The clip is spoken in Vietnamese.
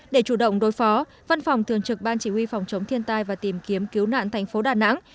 để chủ động đối phó văn phòng thường trực ban chỉ huy phòng chống thiên tai và tìm kiếm cứu nạn thành phố đà nẵng